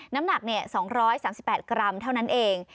น้ำหนัก๒๓๘กรัมเท่านั้นเอง